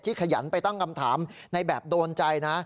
ขยันไปตั้งคำถามในแบบโดนใจนะ